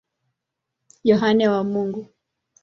Yohane wa Mungu.